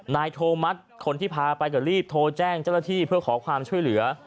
นายโทมัติคนที่พาไปก็รีบโทรแจ้งเจ้าหน้าที่เพื่อขอความช่วยเหลือ